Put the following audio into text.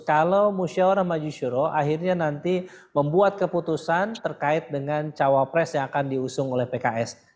kalau musyawarah majisyuro akhirnya nanti membuat keputusan terkait dengan cawapres yang akan diusung oleh pks